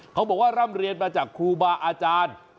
บอกว่าร่ำเรียนมาจากครูบาอาจารย์